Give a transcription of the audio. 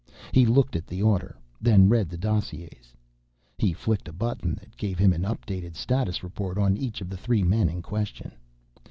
He looked at the order, then read the dossiers. He flicked a button that gave him an updated status report on each of the three men in question.